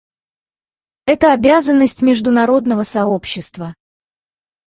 Это — обязанность международного сообщества.